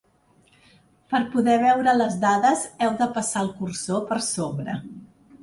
Per poder veure les dades heu de passar el cursor per sobre.